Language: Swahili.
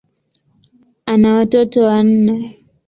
Ana watoto wanne.